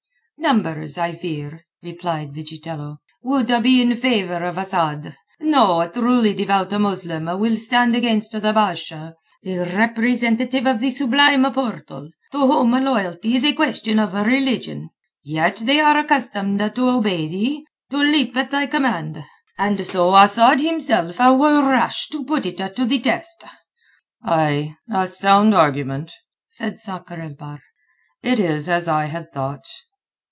"Numbers, I fear," replied Vigitello, "would be in favour of Asad. No truly devout Muslim will stand against the Basha, the representative of the Sublime Portal, to whom loyalty is a question of religion. Yet they are accustomed to obey thee, to leap at thy command, and so Asad himself were rash to put it to the test." "Ay—a sound argument," said Sakr el Bahr. "It is as I had thought."